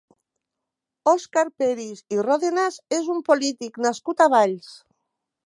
Òscar Peris i Ròdenas és un polític nascut a Valls.